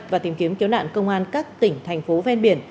và tìm kiếm cứu nạn công an các tỉnh thành phố ven biển